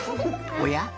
おや？